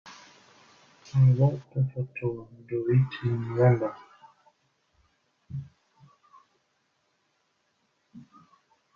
I would prefer to do it in November.